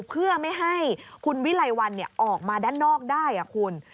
เพื่อไม่ให้คุณวิไลวันออกมาด้านนอกได้คุณ